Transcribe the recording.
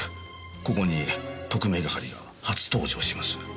ここに特命係が初登場します。